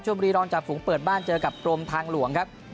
บุรีรองจากฝูงเปิดบ้านเจอกับกรมทางหลวงครับ